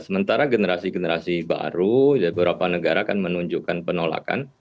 sementara generasi generasi baru beberapa negara kan menunjukkan penolakan